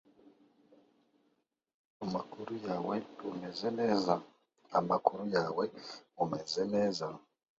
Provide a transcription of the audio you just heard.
The community of Teeswater is located on the river.